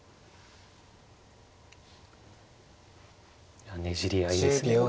いやねじり合いですねこれ。